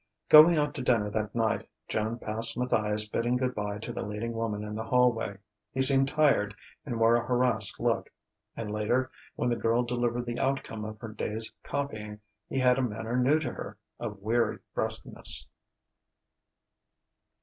Going out to dinner that night, Joan passed Matthias bidding good bye to the leading woman in the hallway. He seemed tired and wore a harassed look; and later, when the girl delivered the outcome of her day's copying, he had a manner new to her, of weary brusqueness.